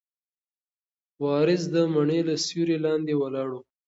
وارث د مڼې له سیوري لاندې ولاړ و.